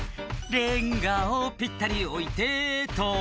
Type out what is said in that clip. レンガをぴったり置いてっと」